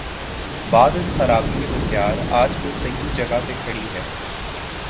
بعد از خرابیٔ بسیار، اب وہ صحیح جگہ پہ کھڑی ہے۔